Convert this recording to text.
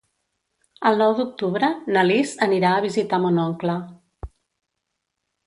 El nou d'octubre na Lis anirà a visitar mon oncle.